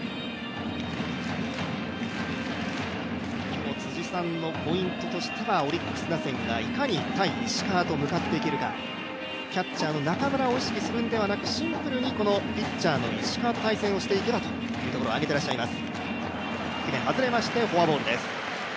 今日、辻さんのポイントとしてはオリックス打線がいかに対石川と向かっていけるか、キャッチャーの中村を意識するんではなくシンプルにピッチャーの石川と対戦していけばというところを上げています。